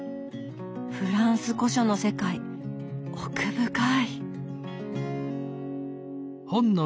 フランス古書の世界奥深い！